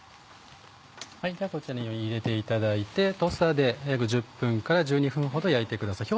こちらに入れていただいてトースターで約１０分から１２分ほど焼いてください。